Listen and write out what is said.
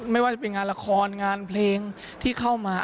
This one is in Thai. ไม่ว่าจะเป็นงานละครงานเพลงที่เข้ามา